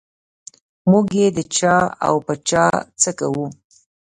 موږ یې د چا او په چا څه کوو.